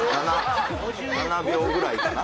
７秒ぐらいかな？